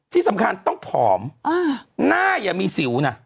ที่สำคัญต้องผอมหน้าอย่ามีสิวนะ